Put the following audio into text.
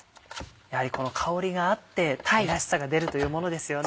やはりこの香りがあってタイらしさが出るというものですよね。